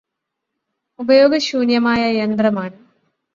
ഉപയോഗശൂന്യമായ യന്ത്രമാണ്